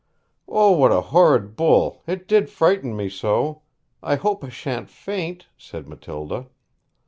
'O, what a horrid bull! it did frighten me so. I hope I shan't faint,' said Matilda.